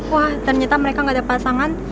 wah ternyata mereka gak ada pasangan